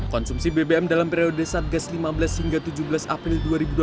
konsumsi bbm dalam periode satgas lima belas hingga tujuh belas april dua ribu dua puluh